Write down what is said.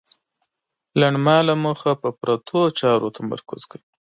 لنډمهاله موخه په پرتو چارو تمرکز کوي.